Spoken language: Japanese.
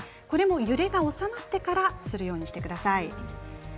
これも揺れが収まってからにしてください。